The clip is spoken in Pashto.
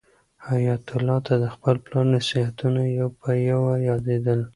حیات الله ته د خپل پلار نصیحتونه یو په یو یادېدل.